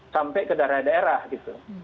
sampai ke daerah daerah gitu